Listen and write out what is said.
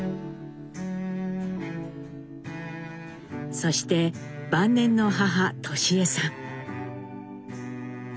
そして晩年の母智江さん。